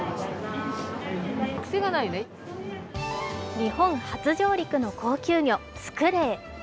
日本初上陸の高級魚スクレイ。